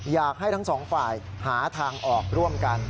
อยากให้ทั้งสองฝ่ายหาทางออกร่วมกัน